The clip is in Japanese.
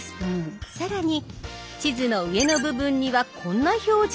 更に地図の上の部分にはこんな表示。